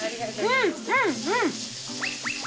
うんうんうん！